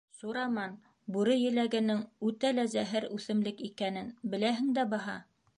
Сураман, бүре еләгенең үтә лә зәһәр үҫемлек икәнен беләһең дә баһа!